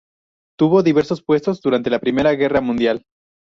Tuvo diversos puestos durante la Primera Guerra Mundial.